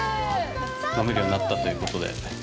飲めるようになったということで。